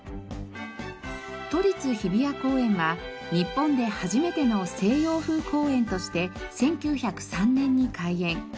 都立日比谷公園は日本で初めての西洋風公園として１９０３年に開園。